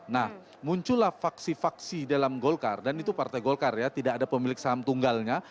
nah muncullah faksi faksi dalam golkar dan itu partai golkar ya tidak ada pemilik saham tunggalnya